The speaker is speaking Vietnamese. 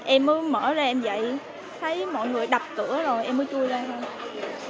em mới mở ra em dậy thấy mọi người đập cửa rồi em mới chui ra thôi